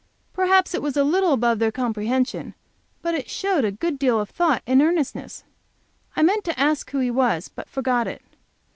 Perhaps it was a little above their comprehension, but it showed a good deal of thought and earnestness. I meant to ask who he was, but forgot it.